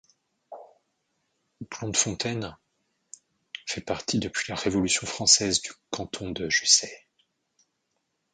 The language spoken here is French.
Blondefontaine fait partie depuis la Révolution française du canton de Jussey.